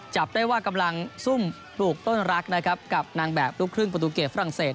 จับได้ว่ากำลังซุ่มปลูกต้นรักนะครับกับนางแบบลูกครึ่งประตูเกตฝรั่งเศส